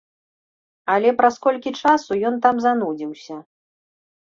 Але праз колькі часу ён там занудзіўся.